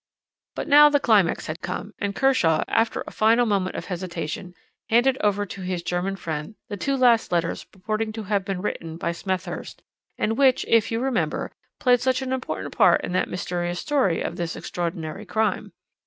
"But now the climax had come, and Kershaw, after a final moment of hesitation, handed over to his German friend the two last letters purporting to have been written by Smethurst, and which, if you remember, played such an important part in the mysterious story of this extraordinary crime.